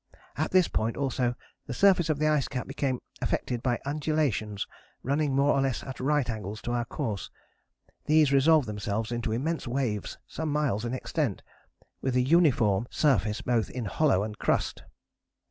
At this point also the surface of the ice cap became affected by undulations running more or less at right angles to our course. These resolved themselves into immense waves some miles in extent, with a uniform surface both in hollow and crust.